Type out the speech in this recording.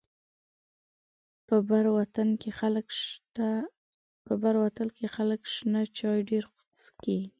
په بر وطن کې خلک شنه چای ډيره څکي.